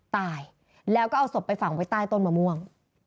ตายแล้วก็เอาศพไปฝังไว้ใต้ต้นมะม่วง